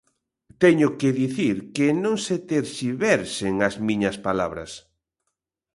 Teño que dicir que non se terxiversen as miñas palabras.